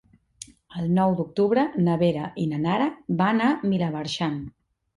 El nou d'octubre na Vera i na Nara van a Vilamarxant.